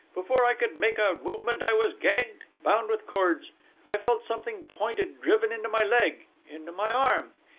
Before I could make a movement I was gagged, bound with cords.... I felt something pointed driven into my leg into my arm....